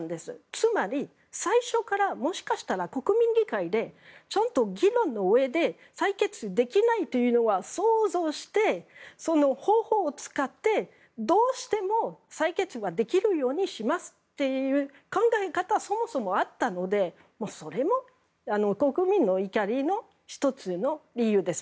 つまり、最初からもしかしたら国民議会でちゃんと議論のうえで採決できないというのを想像してその方法を使ってどうしても採決ができるようにしますという考えがそもそもあったのでそれも国民の怒りの１つの理由です。